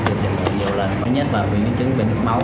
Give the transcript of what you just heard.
thứ nhất là biến chứng bệnh nước máu